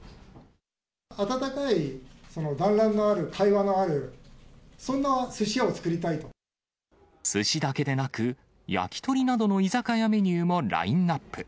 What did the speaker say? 温かい団らんのある、会話のすしだけでなく、焼き鳥などの居酒屋メニューもラインナップ。